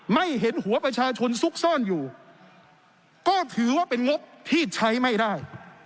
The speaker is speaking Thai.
ไม่เห็นหัวประชาชนซุกซ่อนอยู่ก็ถือว่าเป็นงบที่ใช้ไม่ได้